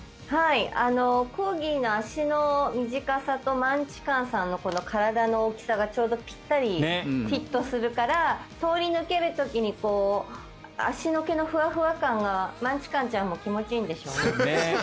コーギーの足の短さとマンチカンさんのこの体の大きさがぴったりフィットするから通り抜ける時に足の毛のフワフワ感がマンチカンちゃんも気持ちいいんでしょうね。